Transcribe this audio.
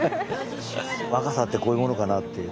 若さってこういうものかなっていうね。